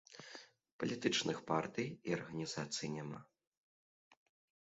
Палітычных партый і арганізацый няма.